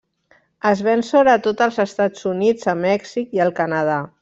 Es ven sobretot als Estats Units, a Mèxic i al Canadà.